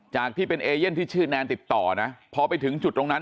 ที่เป็นเอเย่นที่ชื่อแนนติดต่อนะพอไปถึงจุดตรงนั้น